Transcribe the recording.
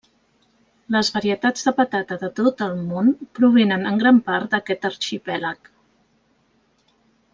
Les varietats de patata de tot el món provenen en gran part d'aquest arxipèlag.